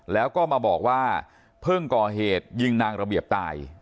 แล้วก็มาบอกว่าเพิ่งก่อเหตุยิงนางระเบียบตาย